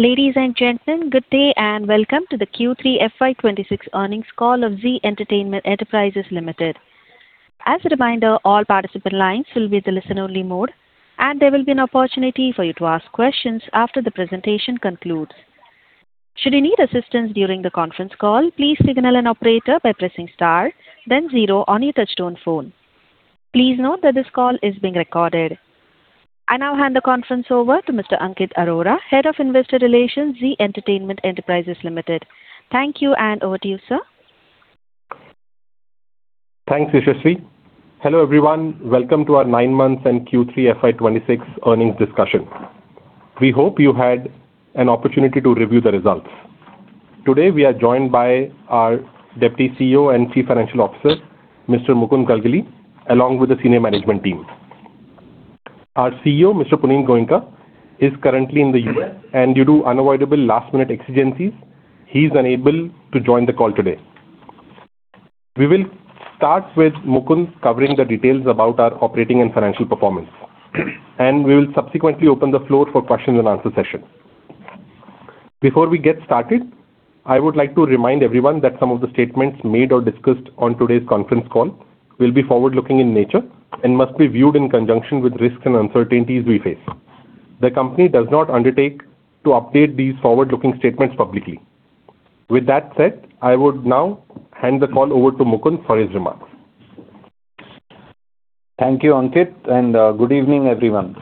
Ladies and gentlemen, good day and welcome to the Q3 FY26 earnings call of Zee Entertainment Enterprises Limited. As a reminder, all participant lines will be in the listen-only mode, and there will be an opportunity for you to ask questions after the presentation concludes. Should you need assistance during the conference call, please signal an operator by pressing star, then zero on your touch-tone phone. Please note that this call is being recorded. I now hand the conference over to Mr. Ankit Arora, Head of Investor Relations, Zee Entertainment Enterprises Limited. Thank you, and over to you, sir. Thank you, Shashti. Hello everyone. Welcome to our nine months and Q3 FY26 earnings discussion. We hope you had an opportunity to review the results. Today, we are joined by our Deputy CEO and Chief Financial Officer, Mr. Mukund Galgali, along with the senior management team. Our CEO, Mr. Punit Goenka, is currently in the US, and due to unavoidable last-minute exigencies, he is unable to join the call today. We will start with Mukund covering the details about our operating and financial performance, and we will subsequently open the floor for question-and-answer session. Before we get started, I would like to remind everyone that some of the statements made or discussed on today's conference call will be forward-looking in nature and must be viewed in conjunction with risks and uncertainties we face. The company does not undertake to update these forward-looking statements publicly. With that said, I would now hand the call over to Mukund for his remarks. Thank you, Ankit, and good evening, everyone.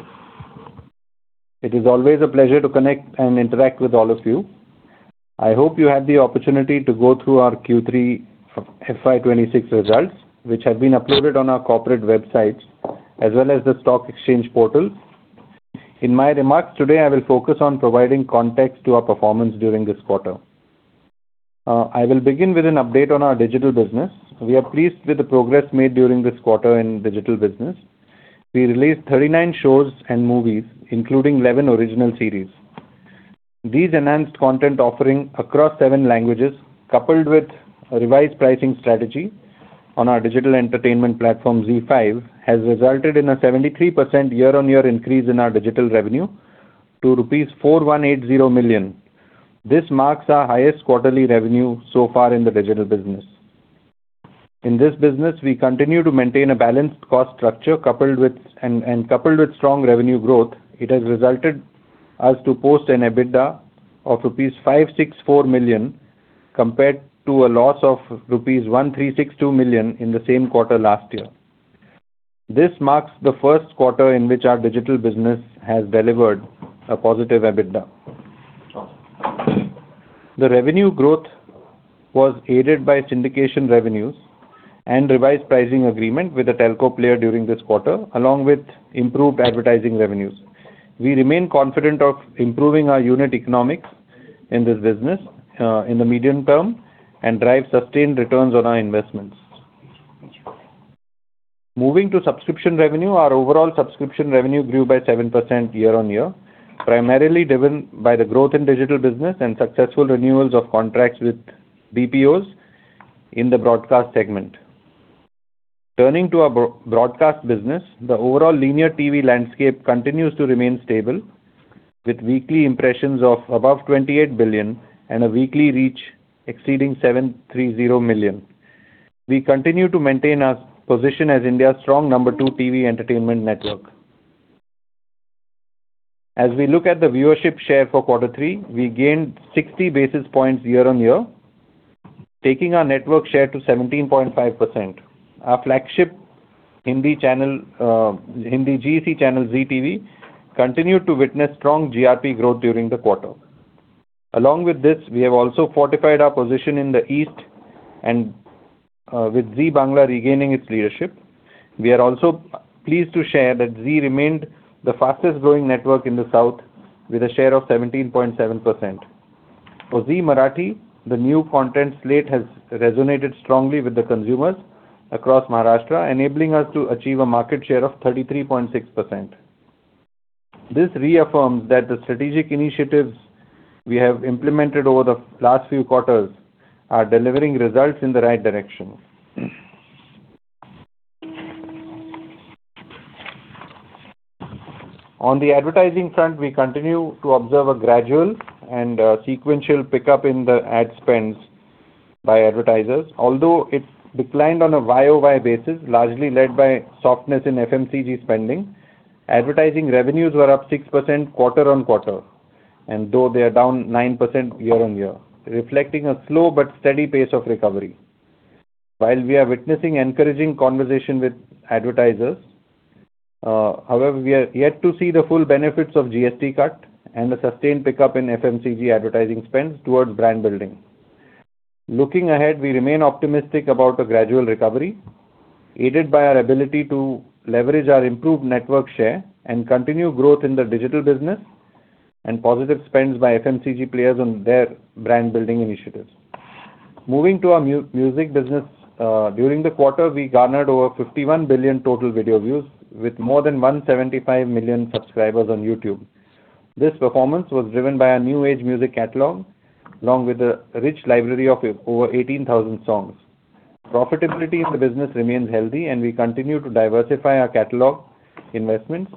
It is always a pleasure to connect and interact with all of you. I hope you had the opportunity to go through our Q3 FY26 results, which have been uploaded on our corporate websites as well as the stock exchange portal. In my remarks today, I will focus on providing context to our performance during this quarter. I will begin with an update on our digital business. We are pleased with the progress made during this quarter in digital business. We released 39 shows and movies, including 11 original series. These enhanced content offerings across seven languages, coupled with a revised pricing strategy on our digital entertainment platform, Zee5, has resulted in a 73% year-on-year increase in our digital revenue to rupees 4180 million. This marks our highest quarterly revenue so far in the digital business. In this business, we continue to maintain a balanced cost structure, and coupled with strong revenue growth, it has resulted in us posting an EBITDA of rupees 564 million, compared to a loss of rupees 1,362 million in the same quarter last year. This marks the first quarter in which our digital business has delivered a positive EBITDA. The revenue growth was aided by syndication revenues and revised pricing agreement with a telco player during this quarter, along with improved advertising revenues. We remain confident of improving our unit economics in this business in the medium term and drive sustained returns on our investments. Moving to subscription revenue, our overall subscription revenue grew by 7% year-on-year, primarily driven by the growth in digital business and successful renewals of contracts with BPOs in the broadcast segment. Turning to our broadcast business, the overall linear TV landscape continues to remain stable, with weekly impressions of above 28 billion and a weekly reach exceeding 730 million. We continue to maintain our position as India's strong number two TV entertainment network. As we look at the viewership share for quarter three, we gained 60 basis points year-on-year, taking our network share to 17.5%. Our flagship GEC channel ZTV continued to witness strong GRP growth during the quarter. Along with this, we have also fortified our position in the East, and with Zee Bangla regaining its leadership, we are also pleased to share that Zee remained the fastest-growing network in the South, with a share of 17.7%. For Zee Marathi, the new content slate has resonated strongly with the consumers across Maharashtra, enabling us to achieve a market share of 33.6%. This reaffirms that the strategic initiatives we have implemented over the last few quarters are delivering results in the right direction. On the advertising front, we continue to observe a gradual and sequential pickup in the ad spends by advertisers. Although it declined on a YOY basis, largely led by softness in FMCG spending, advertising revenues were up 6% quarter on quarter, and though they are down 9% year-on-year, reflecting a slow but steady pace of recovery. While we are witnessing encouraging conversation with advertisers, however, we have yet to see the full benefits of GST cut and the sustained pickup in FMCG advertising spends towards brand building. Looking ahead, we remain optimistic about a gradual recovery, aided by our ability to leverage our improved network share and continue growth in the digital business and positive spends by FMCG players on their brand-building initiatives. Moving to our music business, during the quarter, we garnered over 51 billion total video views, with more than 175 million subscribers on YouTube. This performance was driven by our new age music catalog, along with a rich library of over 18,000 songs. Profitability in the business remains healthy, and we continue to diversify our catalog investments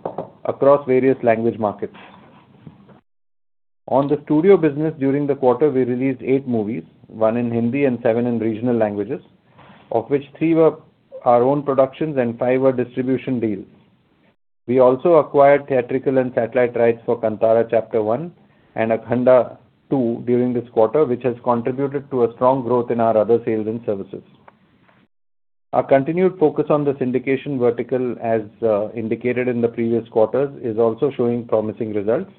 across various language markets. On the studio business, during the quarter, we released eight movies, one in Hindi and seven in regional languages, of which three were our own productions and five were distribution deals. We also acquired theatrical and satellite rights for Kantara: Chapter 1 and Akhanda 2 during this quarter, which has contributed to a strong growth in our other sales and services. Our continued focus on the syndication vertical, as indicated in the previous quarters, is also showing promising results,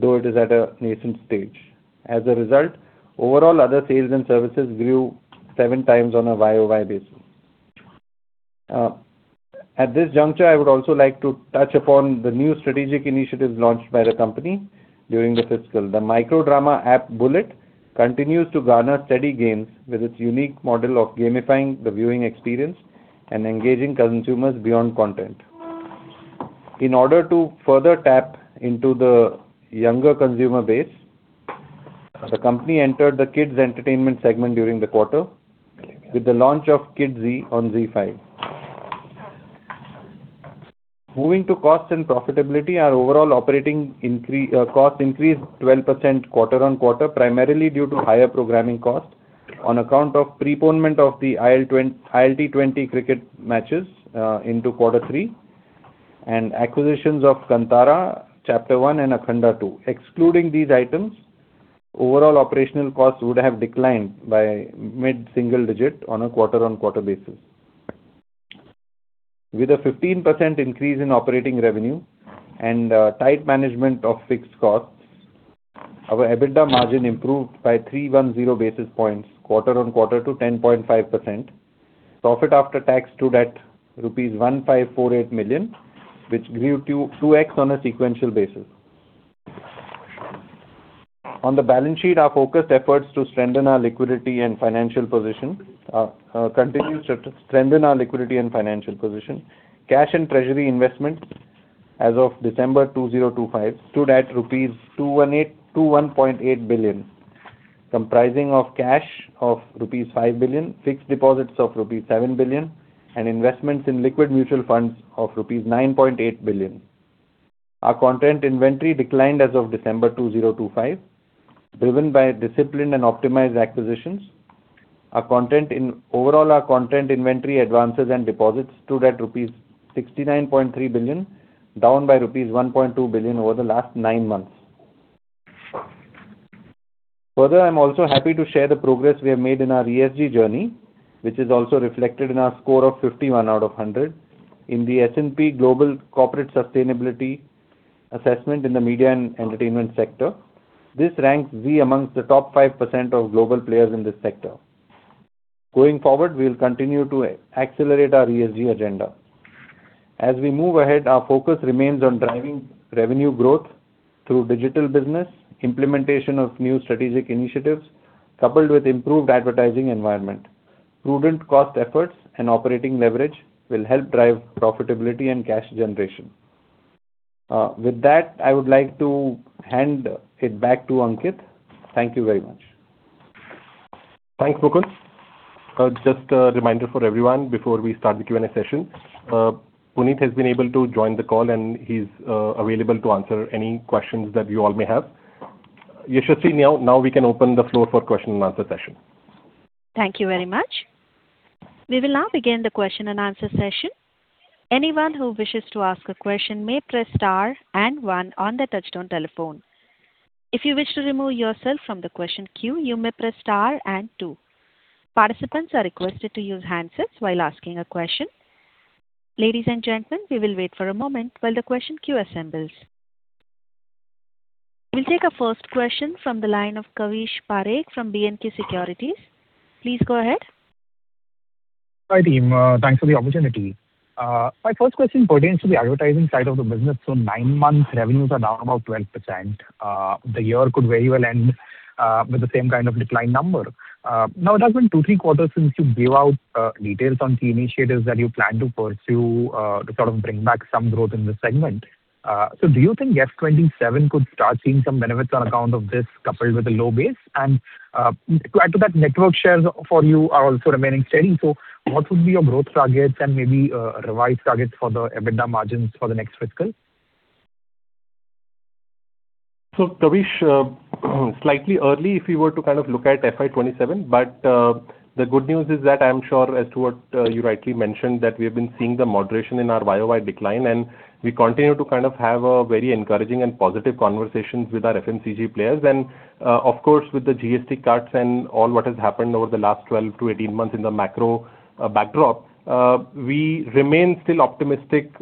though it is at a nascent stage. As a result, overall other sales and services grew seven times on a YOY basis. At this juncture, I would also like to touch upon the new strategic initiatives launched by the company during the fiscal. The Microdrama App Bullet continues to garner steady gains with its unique model of gamifying the viewing experience and engaging consumers beyond content. In order to further tap into the younger consumer base, the company entered the kids' entertainment segment during the quarter with the launch of KidZee on ZEE5. Moving to cost and profitability, our overall operating cost increased 12% quarter on quarter, primarily due to higher programming cost on account of preponement of the ILT20 cricket matches into quarter three and acquisitions of Kantara: Chapter 1 and Akhanda 2. Excluding these items, overall operational costs would have declined by mid-single digit on a quarter-on-quarter basis. With a 15% increase in operating revenue and tight management of fixed costs, our EBITDA margin improved by 310 basis points quarter on quarter to 10.5%. Profit after tax stood at rupees 1,548 million, which grew to 2X on a sequential basis. On the balance sheet, our focused efforts to strengthen our liquidity and financial position continue. Cash and treasury investments as of December 2025 stood at rupees 218 billion, comprising of cash of rupees 5 billion, fixed deposits of rupees 7 billion, and investments in liquid mutual funds of rupees 9.8 billion. Our content inventory declined as of December 2025, driven by disciplined and optimized acquisitions. Overall, our content inventory advances and deposits stood at rupees 69.3 billion, down by rupees 1.2 billion over the last nine months. Further, I'm also happy to share the progress we have made in our ESG journey, which is also reflected in our score of 51 out of 100 in the S&P Global Corporate Sustainability Assessment in the media and entertainment sector. This ranks Zee amongst the top 5% of global players in this sector. Going forward, we will continue to accelerate our ESG agenda. As we move ahead, our focus remains on driving revenue growth through digital business, implementation of new strategic initiatives, coupled with improved advertising environment. Prudent cost efforts and operating leverage will help drive profitability and cash generation. With that, I would like to hand it back to Ankit. Thank you very much. Thanks, Mukund. Just a reminder for everyone before we start the Q&A session. Punit has been able to join the call, and he's available to answer any questions that you all may have. Shashti, now we can open the floor for question-and-answer session. Thank you very much. We will now begin the question-and-answer session. Anyone who wishes to ask a question may press star and one on the touch-tone telephone. If you wish to remove yourself from the question queue, you may press star and two. Participants are requested to use handsets while asking a question. Ladies and gentlemen, we will wait for a moment while the question queue assembles. We will take our first question from the line of Kavish Parekh from B&K Securities. Please go ahead. Hi, team. Thanks for the opportunity. My first question pertains to the advertising side of the business. So, nine months revenues are down about 12%. The year could very well end with the same kind of decline number. Now, it has been two, three quarters since you gave out details on key initiatives that you plan to pursue to sort of bring back some growth in the segment. So, do you think F27 could start seeing some benefits on account of this, coupled with a low base? And to add to that, network shares for you are also remaining steady. So, what would be your growth targets and maybe revised targets for the EBITDA margins for the next fiscal? So, Kavish, slightly early if you were to kind of look at FY27, but the good news is that I'm sure, as to what you rightly mentioned, that we have been seeing the moderation in our YOY decline, and we continue to kind of have very encouraging and positive conversations with our FMCG players. And, of course, with the GST cuts and all what has happened over the last 12-18 months in the macro backdrop, we remain still optimistic,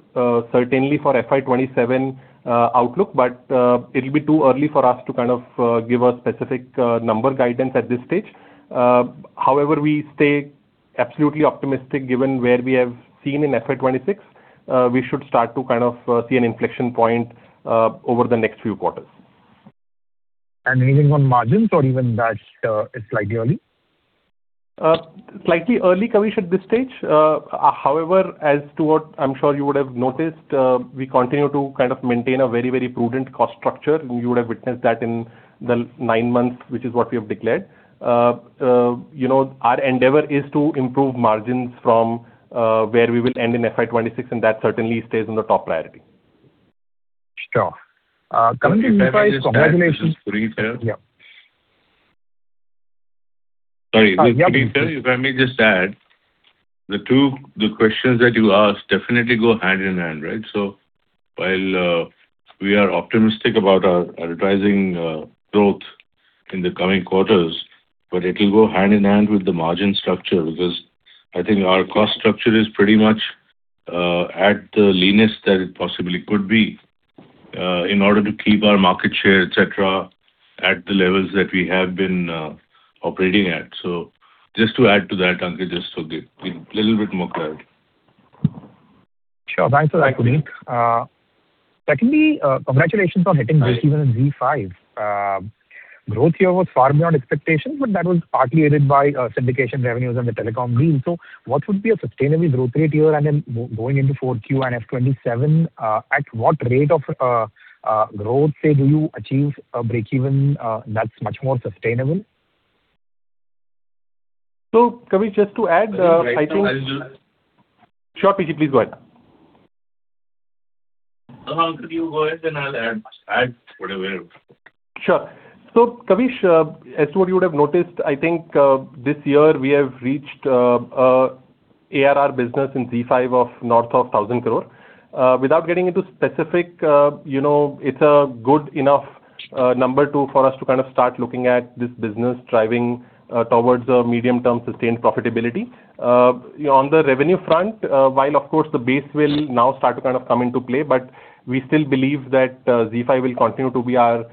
certainly for FY27 outlook, but it'll be too early for us to kind of give a specific number guidance at this stage. However, we stay absolutely optimistic given where we have seen in FY26. We should start to kind of see an inflection point over the next few quarters. And anything on margins or even that it's slightly early? Slightly early, Kavish, at this stage. However, as to what I'm sure you would have noticed, we continue to kind of maintain a very, very prudent cost structure. You would have witnessed that in the nine months, which is what we have declared. Our endeavor is to improve margins from where we will end in FY26, and that certainly stays on the top priority. Sure. Let me just add, the two questions that you asked definitely go hand in hand, right? So, while we are optimistic about our advertising growth in the coming quarters, but it'll go hand in hand with the margin structure because I think our cost structure is pretty much at the leanest that it possibly could be in order to keep our market share, etc., at the levels that we have been operating at. So, just to add to that, Ankit, just to give a little bit more clarity. Sure. Thanks a lot, Punit. Secondly, congratulations on hitting breakeven in ZEE5. Growth here was far beyond expectations, but that was partly aided by syndication revenues and the telecom deal. So, what would be a sustainable growth rate here? And then going into 4Q and F27, at what rate of growth, say, do you achieve a breakeven that's much more sustainable? So, Kavish, just to add, I think. Yes, I'll just. Sure, Punit, please go ahead. I'll go ahead, and I'll add what I've heard. Sure. So, Kavish, as to what you would have noticed, I think this year we have reached an ARR business in ZEE5 of north of 1,000 crore. Without getting into specifics, it's a good enough number for us to kind of start looking at this business driving towards a medium-term sustained profitability. On the revenue front, while, of course, the base will now start to kind of come into play, but we still believe that ZEE5 will continue to be our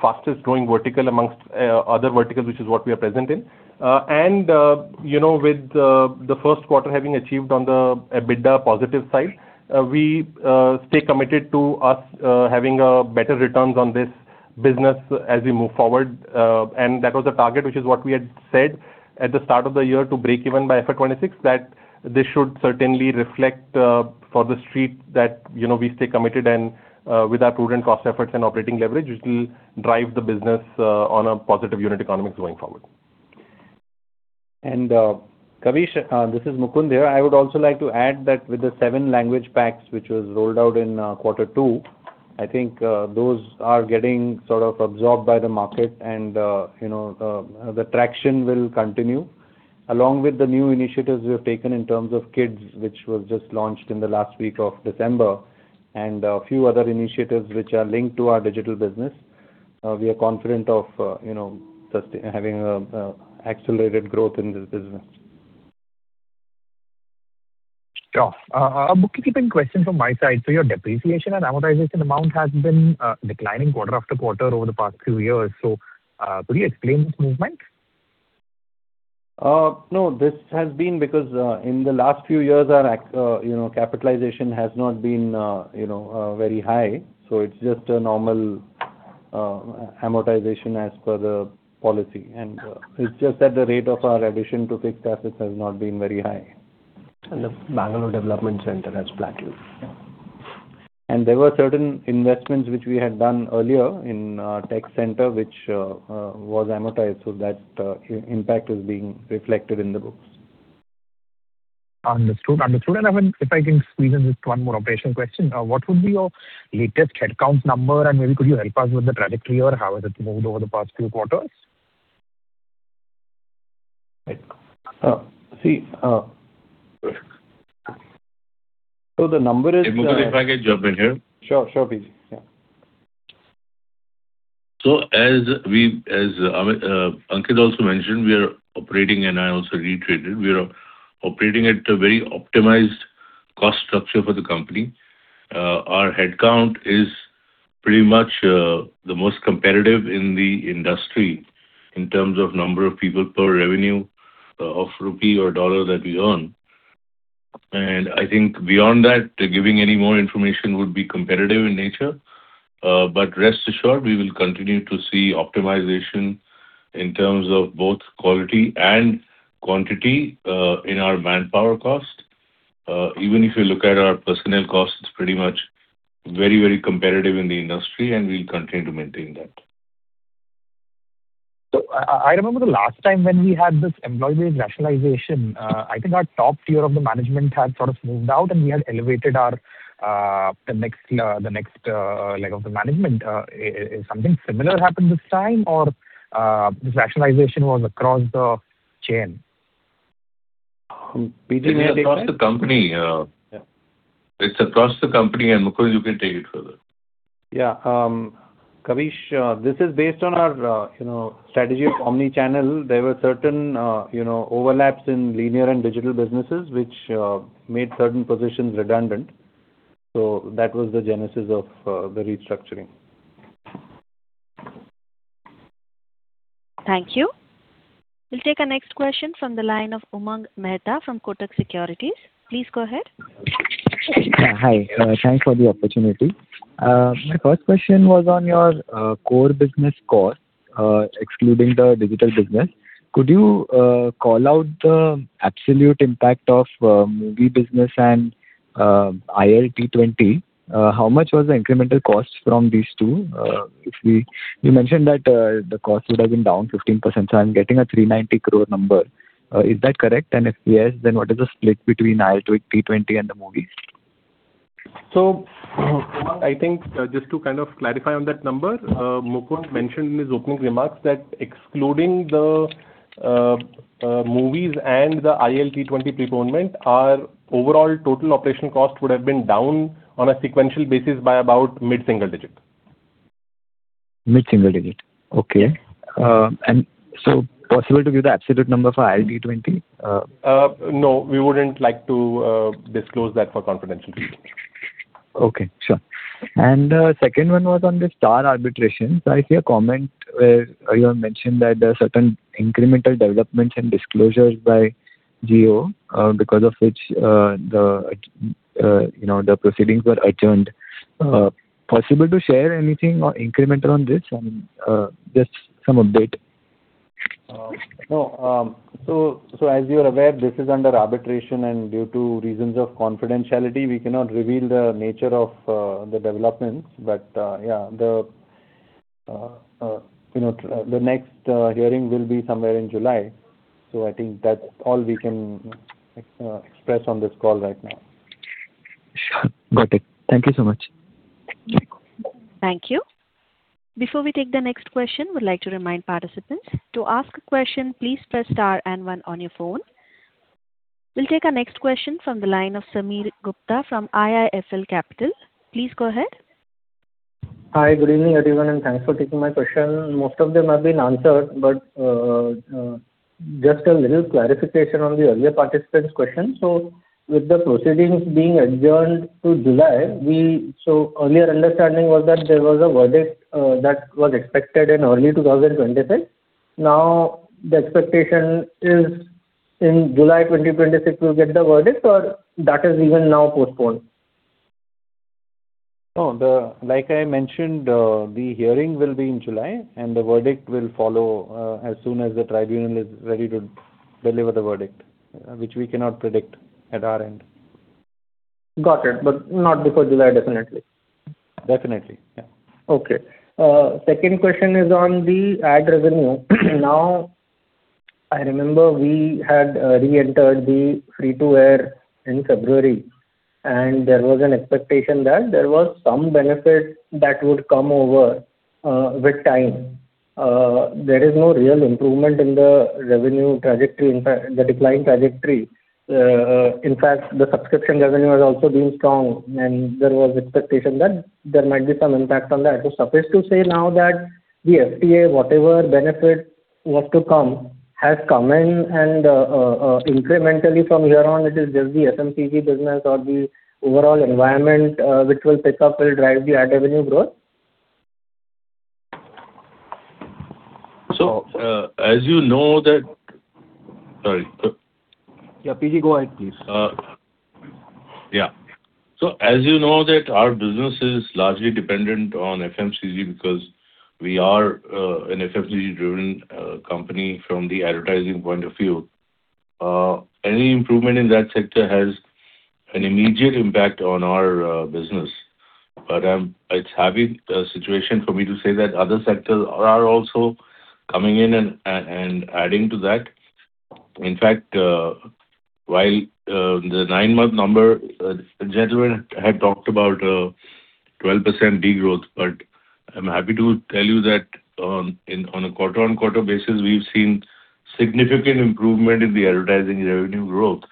fastest-growing vertical amongst other verticals, which is what we are present in. And with the first quarter having achieved on the EBITDA positive side, we stay committed to us having better returns on this business as we move forward. That was the target, which is what we had said at the start of the year, to break even by FY26, that this should certainly reflect for the street that we stay committed, and with our prudent cost efforts and operating leverage, it will drive the business on a positive unit economics going forward. Kavish, this is Mukund here. I would also like to add that with the seven language packs, which were rolled out in quarter two, I think those are getting sort of absorbed by the market, and the traction will continue, along with the new initiatives we have taken in terms of KidZee, which was just launched in the last week of December, and a few other initiatives which are linked to our digital business. We are confident of having accelerated growth in this business. Sure. A bookkeeping question from my side. So, your depreciation and amortization amount has been declining quarter after quarter over the past few years. So, could you explain this movement? No, this has been because in the last few years, our capitalization has not been very high. So, it's just a normal amortization as per the policy. And it's just that the rate of our addition to fixed assets has not been very high. The Bangalore Development Center has flattened. There were certain investments which we had done earlier in our tech center, which was amortized. That impact is being reflected in the books. Understood. Understood. And if I can squeeze in just one more operational question, what would be your latest headcount number? And maybe could you help us with the trajectory or how has it moved over the past few quarters? See, so the number is. Yes, Mukund, if I can jump in here. Sure. Sure, Punit. Yeah. So, as Ankit also mentioned, we are operating, and I also reiterated, we are operating at a very optimized cost structure for the company. Our headcount is pretty much the most competitive in the industry in terms of number of people per revenue of rupee or dollar that we earn. And I think beyond that, giving any more information would be competitive in nature. But rest assured, we will continue to see optimization in terms of both quality and quantity in our manpower cost. Even if you look at our personnel cost, it's pretty much very, very competitive in the industry, and we'll continue to maintain that. So, I remember the last time when we had this employee-based rationalization. I think our top tier of the management had sort of moved out, and we had elevated the next leg of the management. Something similar happened this time, or this rationalization was across the chain? It's across the company. It's across the company, and Mukund, you can take it further. Yeah. Kavish, this is based on our strategy of omnichannel. There were certain overlaps in linear and digital businesses, which made certain positions redundant. So, that was the genesis of the restructuring. Thank you. We'll take our next question from the line of Umang Mehta from Kotak Securities. Please go ahead. Hi. Thanks for the opportunity. My first question was on your core business cost, excluding the digital business. Could you call out the absolute impact of movie business and ILT20? How much was the incremental cost from these two? You mentioned that the cost would have been down 15%, so I'm getting a 390 crore number. Is that correct, and if yes, then what is the split between ILT20 and the movies? So, I think just to kind of clarify on that number, Mukund mentioned in his opening remarks that excluding the movies and the ILT20 postponement, our overall total operational cost would have been down on a sequential basis by about mid-single digit. Mid-single digit. Okay. And so, possible to give the absolute number for ILT20? No, we wouldn't like to disclose that for confidential reasons. Okay. Sure. And the second one was on the Star arbitration. So, I see a comment where you have mentioned that there are certain incremental developments and disclosures by Jio because of which the proceedings were adjourned. Possible to share anything incremental on this? I mean, just some update. No. So, as you are aware, this is under arbitration, and due to reasons of confidentiality, we cannot reveal the nature of the developments. But yeah, the next hearing will be somewhere in July. So, I think that's all we can express on this call right now. Sure. Got it. Thank you so much. Thank you. Before we take the next question, we'd like to remind participants to ask a question, please press star and one on your phone. We'll take our next question from the line of Sameer Gupta from IIFL Capital. Please go ahead. Hi. Good evening, everyone, and thanks for taking my question. Most of them have been answered, but just a little clarification on the earlier participant's question. So, with the proceedings being adjourned to July, so earlier understanding was that there was a verdict that was expected in early 2026. Now, the expectation is in July 2026 we'll get the verdict, or that has even now postponed? No, like I mentioned, the hearing will be in July, and the verdict will follow as soon as the tribunal is ready to deliver the verdict, which we cannot predict at our end. Got it. But not before July, definitely. Definitely. Yeah. Okay. Second question is on the ad revenue. Now, I remember we had re-entered the free-to-air in February, and there was an expectation that there was some benefit that would come over with time. There is no real improvement in the revenue trajectory, in fact, the declining trajectory. In fact, the subscription revenue has also been strong, and there was expectation that there might be some impact on that. So, suffice to say now that the FTA, whatever benefit was to come, has come, and incrementally from here on, it is just the FMCG business or the overall environment which will pick up, will drive the ad revenue growth. So, as you know that. Sorry. Yeah, PT, go ahead, please. Yeah. So, as you know, our business is largely dependent on FMCG because we are an FMCG-driven company from the advertising point of view. Any improvement in that sector has an immediate impact on our business. But it's a happy situation for me to say that other sectors are also coming in and adding to that. In fact, while the nine-month number, the gentleman had talked about 12% degrowth, but I'm happy to tell you that on a quarter-on-quarter basis, we've seen significant improvement in the advertising revenue growth.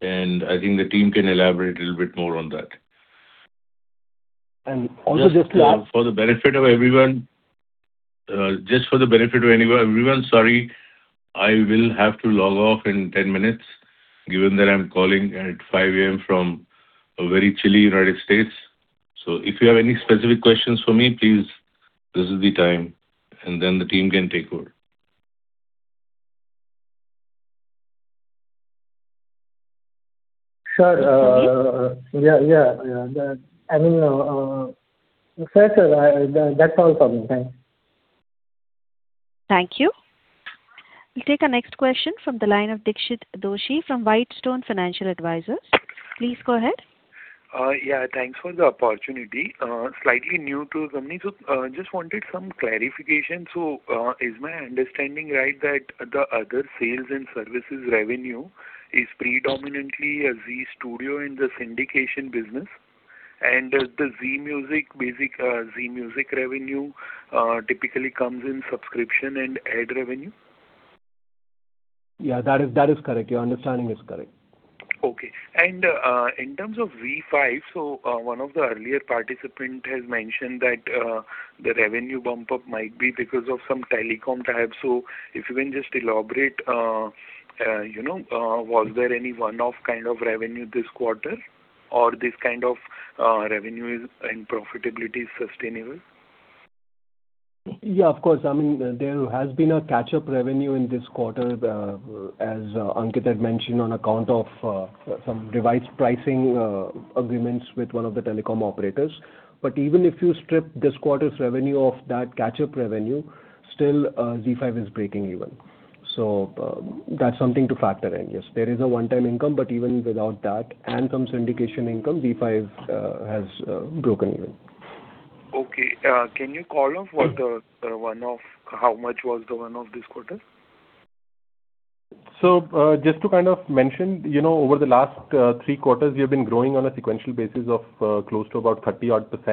And I think the team can elaborate a little bit more on that. And for the benefit of everyone, just for the benefit of everyone, sorry, I will have to log off in 10 minutes given that I'm calling at 5:00 A.M. from a very chilly United States. So, if you have any specific questions for me, please, this is the time, and then the team can take over. Sure. Yeah. Yeah. I mean, that's all from me. Thanks. Thank you. We'll take our next question from the line of Dixit Doshi from Whitestone Financial Advisors. Please go ahead. Yeah. Thanks for the opportunity. Slightly new to the company. So, just wanted some clarification. So, is my understanding right that the other sales and services revenue is predominantly a Zee Studios and the syndication business? And the Zee Music revenue typically comes in subscription and ad revenue? Yeah, that is correct. Your understanding is correct. Okay. And in terms of ZEE5, so one of the earlier participants has mentioned that the revenue bump-up might be because of some telecom tie-up. So, if you can just elaborate, was there any one-off kind of revenue this quarter, or this kind of revenue and profitability is sustainable? Yeah, of course. I mean, there has been a catch-up revenue in this quarter, as Ankit had mentioned, on account of some device pricing agreements with one of the telecom operators. But even if you strip this quarter's revenue off that catch-up revenue, still, ZEE5 is breaking even. So, that's something to factor in. Yes, there is a one-time income, but even without that and some syndication income, ZEE5 has broken even. Okay. Can you call out what the one-off how much was the one-off this quarter? So, just to kind of mention, over the last three quarters, we have been growing on a sequential basis of close to about 30-odd%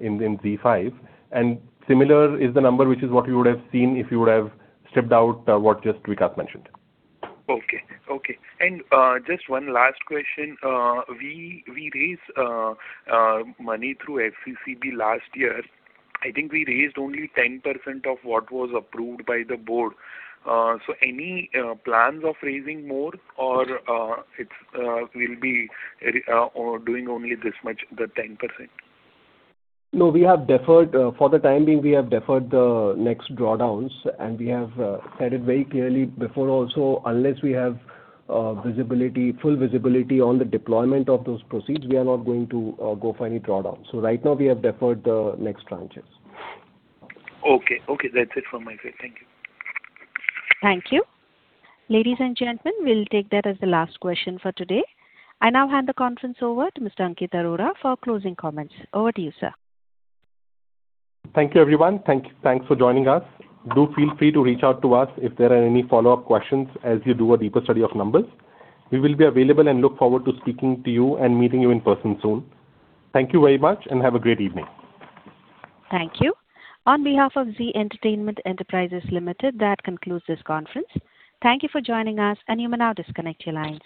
in ZEE5. And similar is the number, which is what you would have seen if you would have stripped out what just Vikas mentioned. Okay. And just one last question. We raised money through FCCB last year. I think we raised only 10% of what was approved by the board. So, any plans of raising more, or it will be doing only this much, the 10%? No, we have deferred. For the time being, we have deferred the next drawdowns, and we have said it very clearly before also, unless we have full visibility on the deployment of those proceeds, we are not going to go for any drawdowns, so right now, we have deferred the next tranches. Okay. Okay. That's it from my side. Thank you. Thank you. Ladies and gentlemen, we'll take that as the last question for today. I now hand the conference over to Mr. Ankit Arora for closing comments. Over to you, sir. Thank you, everyone. Thanks for joining us. Do feel free to reach out to us if there are any follow-up questions as you do a deeper study of numbers. We will be available and look forward to speaking to you and meeting you in person soon. Thank you very much, and have a great evening. Thank you. On behalf of Zee Entertainment Enterprises Limited, that concludes this conference. Thank you for joining us, and you may now disconnect your lines.